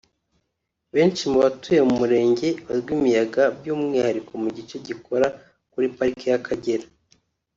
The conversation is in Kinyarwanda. Benshi mu batuye mu Murenge wa Rwimiyaga by’umwihariko mu gice gikora kuri parike y’Akagera